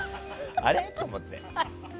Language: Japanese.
あれ？って思って。